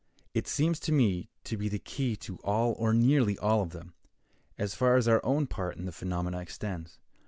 It seems to me to be the key to all or nearly all of them, as far as our own part in the phenomena extends.